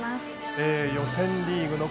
予選リーグ